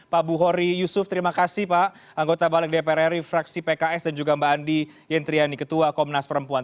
pak buhori yusuf terima kasih pak anggota balik dpr ri fraksi pks dan juga mbak andi yentriani ketua komnas perempuan